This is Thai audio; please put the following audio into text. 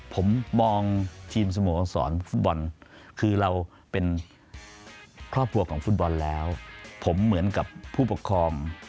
ผมมองทีมสโมสรฟุตบอลคือเราเป็นครอบครัวของฟุตบอลแล้วผมเหมือนกับผู้ปกครอง